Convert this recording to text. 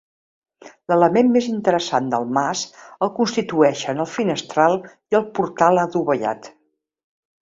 L'element més interessant del mas el constitueixen el finestral i el portal adovellat.